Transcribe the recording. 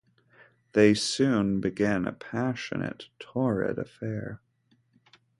They soon begin a passionate, torrid affair.